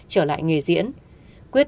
trở lại nghề diễn quyết